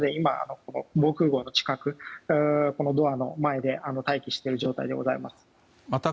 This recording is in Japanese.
防空壕の近く、ドアの前で待機している状態でございます。